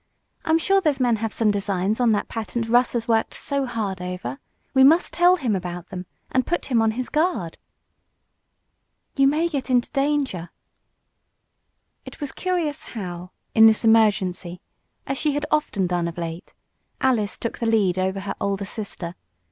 I'm sure those men have some designs on that patent Russ has worked so hard over. We must tell him about them, and put him on his guard." "You may get into danger." It was curious how, in this emergency as she had often done of late Alice took the lead over her older sister.